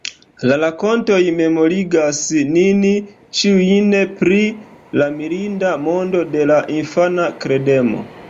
La rakontoj memorigas nin ĉiujn pri la mirinda mondo de la infana kredemo.